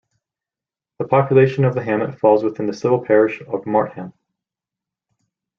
The population of the hamlet falls within the civil parish of Martham.